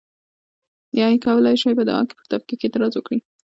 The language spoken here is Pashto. یا یې کولای شوای په دعا کې پر تفکیک اعتراض وکړي.